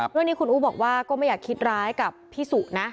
เรื่องนี้คุณอู๋บอกว่าก็ไม่อยากคิดร้ายกับพี่สุนะ